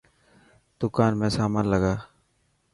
دڪان ۾ سامان لگا.